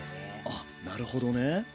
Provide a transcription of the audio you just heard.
あっなるほどね。